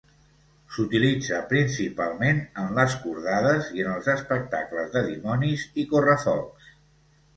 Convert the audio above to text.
S'utilitza principalment en les cordades i en els espectacles de dimonis i correfocs.